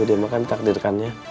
udin makan takdirkannya